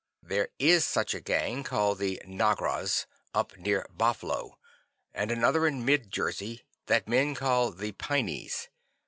"There is such a gang, called the Nagras, up near Bah flo, and another in Mid Jersey that men call the Pineys.